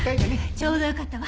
ちょうどよかったわ。